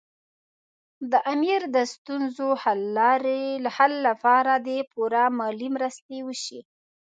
د امیر د ستونزو د حل لپاره دې پوره مالي مرستې وشي.